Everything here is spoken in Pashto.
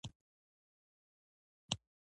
ځغاسته د باور او هڅې ښکارندوی ده